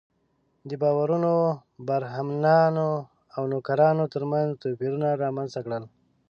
دې باورونو برهمنانو او نوکرانو تر منځ توپیرونه رامنځته کړل.